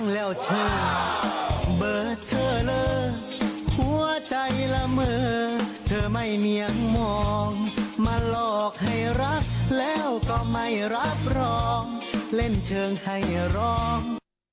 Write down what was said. แล้วเธอเบิดเธอเลยหัวใจละเมอเธอไม่มียังมองมาหลอกให้รักแล้วก็ไม่รับรองเล่นเชิงให้ร้อง